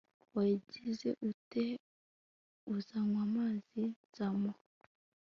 wagize uti uzanywa amzi nzamuha